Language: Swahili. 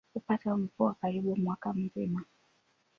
Hupata mvua karibu mwaka mzima.